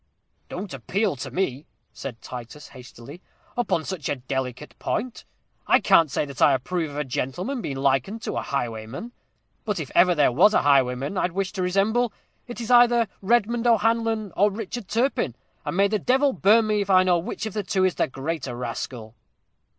"Don't appeal to me," said Titus, hastily, "upon such a delicate point. I can't say that I approve of a gentleman being likened to a highwayman. But if ever there was a highwayman I'd wish to resemble, it's either Redmond O'Hanlon or Richard Turpin; and may the devil burn me if I know which of the two is the greater rascal!"